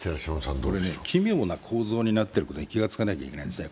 奇妙な構造になっていることに気が付かなきゃいけないんです。